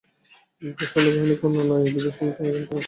তিনি তার সৈন্যবাহিনীকে অন্যান্য আইয়ুবীয়দের সমর্থনের জন্য প্রেরণ করতেন।